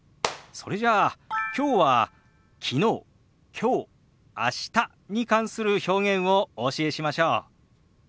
それじゃあきょうは昨日きょう明日に関する表現をお教えしましょう。